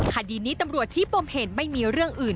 คดีนี้ตำรวจชี้ปมเหตุไม่มีเรื่องอื่น